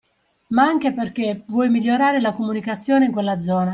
Ma anche perché vuoi migliorare la comunicazione in quella zona